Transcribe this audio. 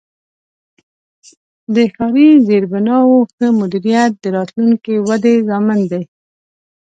د ښاري زیربناوو ښه مدیریت د راتلونکې ودې ضامن دی.